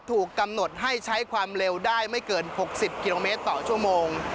ถูกกำหนดให้ใช้ความเร็วได้ไม่เกิน๖๐กิโลเมตรต่อชั่วโมง